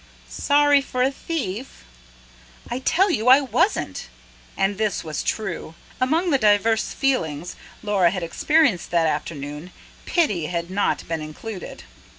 "Sorry for a thief?" "I tell you I WASN'T!" and this was true. Among the divers feelings Laura had experienced that afternoon, pity had not been included.